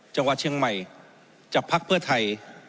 จังหวัดเชียงใหม่จากภักดิ์เพื่อไทย